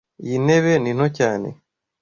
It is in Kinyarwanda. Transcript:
Iyi ntebe ni nto cyane.